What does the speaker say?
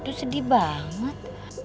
aduh sedih banget